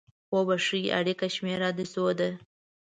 اوبښئ! اړیکې شمیره د څو ده؟